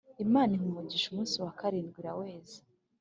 Imana iha umugisha umunsi wa karindwi iraweza